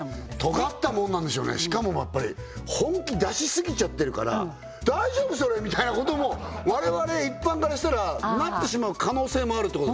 とがったものなんでしょうねしかもやっぱり本気出しすぎちゃってるから「大丈夫？それ」みたいなことも我々一般からしたらなってしまう可能性もあるってことですよ